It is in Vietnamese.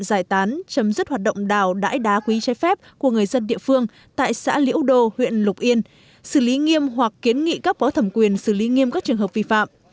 đại dịch trái phép của người dân địa phương tại xã lĩu đô huyện lục yên xử lý nghiêm hoặc kiến nghị các bó thẩm quyền xử lý nghiêm các trường hợp vi phạm